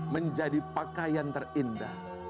menjadi pakaian terindah